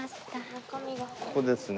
ここですね。